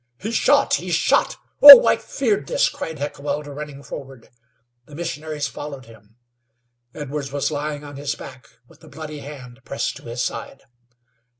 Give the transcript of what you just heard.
"He's shot! He's shot! Oh, I feared this!" cried Heckewelder, running forward. The missionaries followed him. Edwards was lying on his back, with a bloody hand pressed to his side.